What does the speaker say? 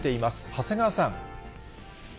長谷川さん。